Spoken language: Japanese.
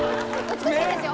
美しいですよ